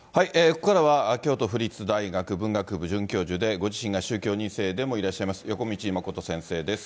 ここからは、京都府立大学文学部准教授で、ご自身が宗教２世でもいらっしゃいます、横道誠先生です。